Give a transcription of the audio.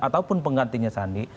ataupun penggantinya sandi